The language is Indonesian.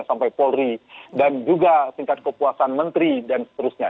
sampai polri dan juga tingkat kepuasan menteri dan seterusnya